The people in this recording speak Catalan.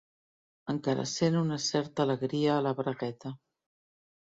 Encara sent una certa alegria a la bragueta.